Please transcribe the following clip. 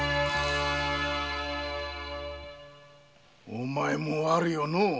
お前も悪よのう。